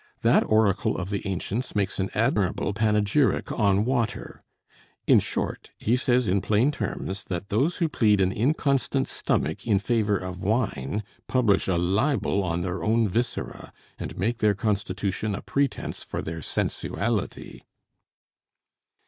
That oracle of the ancients makes an admirable panegyric on water; in short, he says in plain terms that those who plead an inconstant stomach in favor of wine, publish a libel on their own viscera, and make their constitution a pretense for their sensuality."